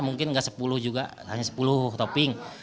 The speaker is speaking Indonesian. mungkin nggak sepuluh juga hanya sepuluh topping